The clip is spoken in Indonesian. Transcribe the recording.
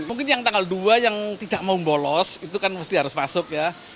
mungkin yang tanggal dua yang tidak mau bolos itu kan mesti harus masuk ya